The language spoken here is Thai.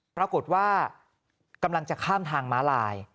ปรากฏว่ากำลังจะข้ามทางม้าลาย